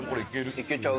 いけちゃう。